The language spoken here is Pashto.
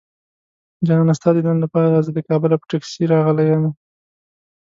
جانانه ستا ديدن لپاره زه د کابله په ټکسي راغلی يمه